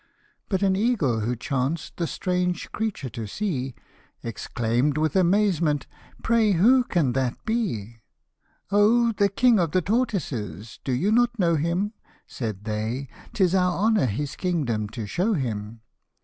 But an eagle who chanced the strange creature to see, Exclaim'd with amazement, " Pray who can that be?" " O, the king of the tortoises! do not you know him? " Said they; "'tis our honour his kingdom to show him."